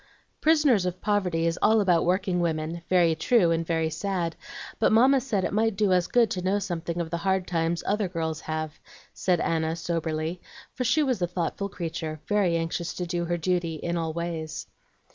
"'Prisoners of Poverty' is all about workingwomen, very true and very sad; but Mamma said it might do us good to know something of the hard times other girls have," said Anna, soberly; for she was a thoughtful creature, very anxious to do her duty in all ways.